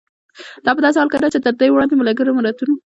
دا په داسې حال کې ده چې تر دې وړاندې د ملګرو ملتونو